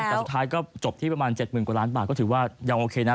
แต่สุดท้ายก็จบที่ประมาณ๗๐๐กว่าล้านบาทก็ถือว่ายังโอเคนะ